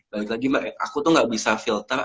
balik lagi aku tuh gak bisa filter